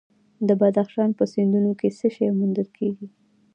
د بدخشان په سیندونو کې څه شی موندل کیږي؟